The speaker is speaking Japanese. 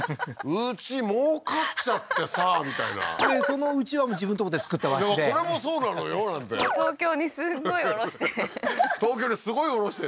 「うち儲かっちゃってさ」みたいなその団扇も自分のとこで作った和紙で「これもそうなのよ」なんて東京にすっごい卸して東京にすごい卸してる？